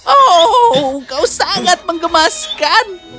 oh kau sangat mengemaskan